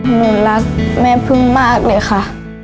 หนูรักแม่พึ่งมากเลยค่ะ